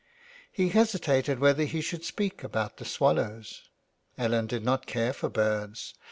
He hesitated whether he should speak about the swallows, Ellen did not care for birds.